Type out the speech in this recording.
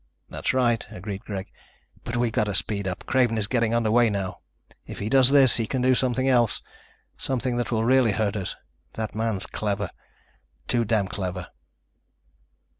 "That's right," agreed Greg, "but we've got to speed up. Craven is getting under way now. If he does this, he can do something else. Something that will really hurt us. The man's clever ... too damn clever."